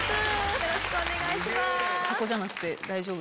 よろしくお願いします。